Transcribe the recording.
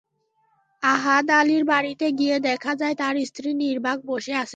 আহাদ আলীর বাড়িতে গিয়ে দেখা যায়, তাঁর স্ত্রী নির্বাক বসে আছেন।